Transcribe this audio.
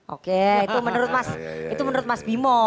oke itu menurut mas bimo